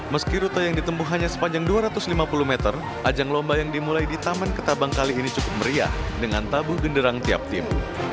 meski rute yang ditempuh hanya sepanjang dua ratus lima puluh meter ajang lomba yang dimulai di taman ketabang kali ini cukup meriah dengan tabuh genderang tiap tim